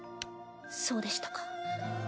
そうでしたか。